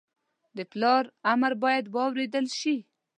د پلار امر باید واورېدل شي